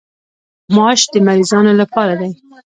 ماش د مریضانو لپاره دي.